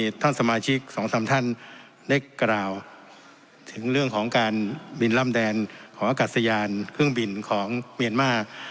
ได้กราวถึงเรื่องของการบินล่ำแดนของอากาศสยานเครื่องบินของเมียนมาร์